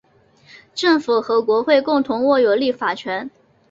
政府和国会共同握有立法权。